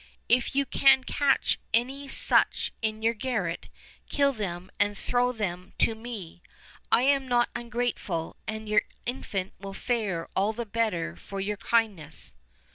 If you can catch any such in your garret kill them and throw them to me; 1 am not ungrateful, and your infant will fare all the better for your kindness."